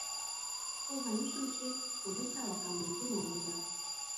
پوه نه شوم چې پولیسه وه که ملکي ماموره.